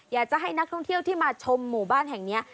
อยากจะให้นักท่องเที่ยวที่มาชมหมู่บ้านแห่งนี้